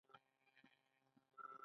آیا که نړۍ ورسره همکاري وکړي؟